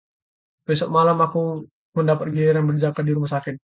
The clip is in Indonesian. besok malam aku mendapat giliran berjaga di rumah sakit